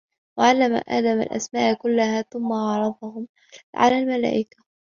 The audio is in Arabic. وَعَلَّمَ آدَمَ الْأَسْمَاءَ كُلَّهَا ثُمَّ عَرَضَهُمْ عَلَى الْمَلَائِكَةِ